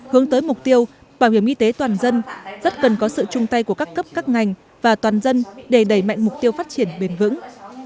hướng tới mục tiêu bảo hiểm y tế toàn dân rất cần có sự chung tay của các cấp các ngành và toàn dân để đẩy mạnh mục tiêu phát triển bền vững